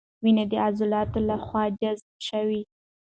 وینه د عضلاتو له خوا جذب شوه.